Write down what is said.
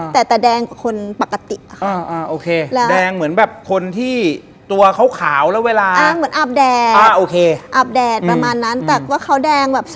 แต่ตลงคนปกติโอเคแดงเหมือนแบบคนที่ตัวขาวแล้วเวลาแดดประมาณนั้นตังว่าคุณแดงบรรค